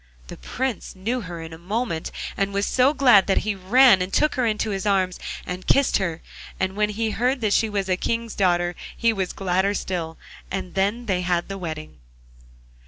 The Prince knew her in a moment, and was so glad that he ran and took her in his arms and kissed her, and when he heard that she was a King's daughter he was gladder still, and then they had the wedding.